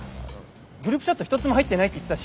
グループチャット一つも入ってないって言ってたし。